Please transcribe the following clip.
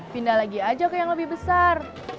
pindah lagi aja ke yang lebih besar